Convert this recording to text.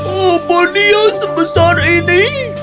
apa dia sebesar ini